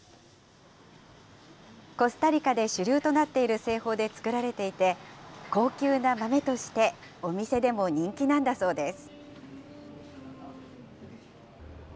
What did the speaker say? コスタリカで主流となっている製法で作られていて、高級な豆としてお店でも人気なんだそうです。